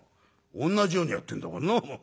同じようにやってんだからな」。